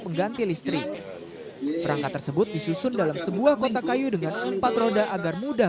pengganti listrik perangkat tersebut disusun dalam sebuah kotak kayu dengan empat roda agar mudah